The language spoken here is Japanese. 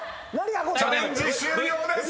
［チャレンジ終了です！］